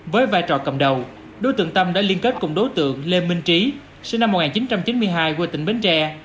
với vai trò cầm đầu đối tượng tâm đã liên kết cùng đối tượng lê minh trí sinh năm một nghìn chín trăm chín mươi hai quê tỉnh bến tre